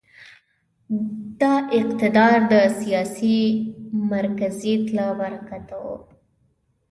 دا اقتدار د سیاسي مرکزیت له برکته و.